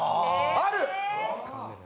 ある！